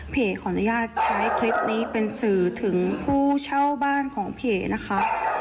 ขออนุญาตใช้คลิปนี้เป็นสื่อถึงผู้เช่าบ้านของผีนะคะ